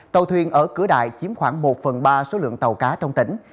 tàu thuyền ở cửa đại chiếm khoảng một phần ba số lượng tàu cá trong tỉnh